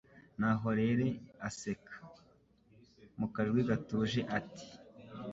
naho Rere aseka, mu kajwi gatuje ati